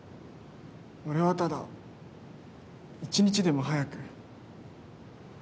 俺はただ一日でも早く。